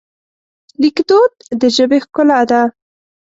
لیکدود د ژبې ښکلا ده.